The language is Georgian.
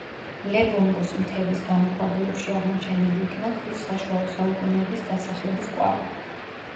ლებომბოს მთების გამოქვაბულებში აღმოჩენილი იქნა ქვის საშუალო საუკუნეების დასახლების კვალი.